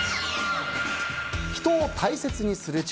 人を大切にする力